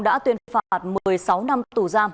đã tuyên phạt một mươi sáu năm tù giam